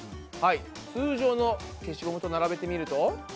はい通常の消しゴムと並べてみると。